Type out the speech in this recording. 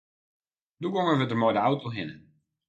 Doe gongen we der mei de auto hinne.